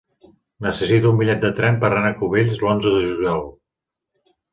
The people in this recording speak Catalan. Necessito un bitllet de tren per anar a Cubells l'onze de juliol.